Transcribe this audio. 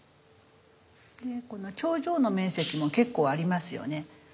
でこの頂上の面積も結構ありますよね。